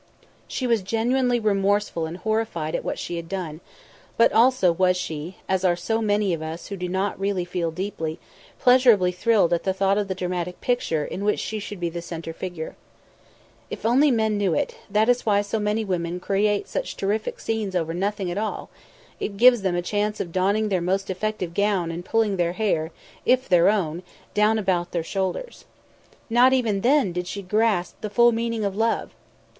She was genuinely remorseful and horrified at what she had done, but also was she, as are so many of us who do not really feel deeply, pleasurably thrilled at the thought of the dramatic picture in which she should be the centre figure. If only men knew it, that is why so many women create such terrific scenes over nothing at all it gives them a chance of donning their most effective gown and pulling their hair if their own down about their shoulders. Not even then did she grasp the full meaning of love!